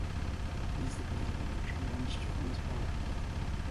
He is the brother of the trombonist Johannes Bauer.